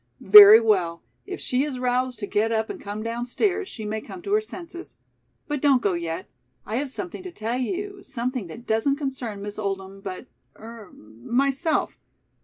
"Very well. If she is roused to get up and come down stairs, she may come to her senses. But don't go yet. I have something to tell you, something that doesn't concern Miss Oldham but er myself.